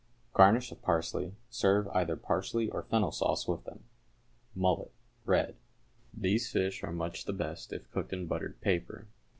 Garnish with parsley. Serve either parsley or fennel sauce with them. =Mullet, Red.= These fish are much the best if cooked in buttered paper.